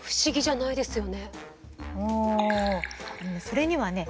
それにはね